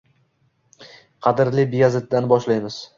Qadrli Beyazitdan boshlaymiz.